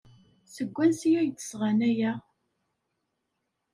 Seg wansi ay d-sɣan aya?